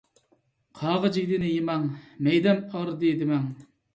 قاغا جىگدىنى يىمەڭ، مەيدەم ئاغرىدى دىمەڭ.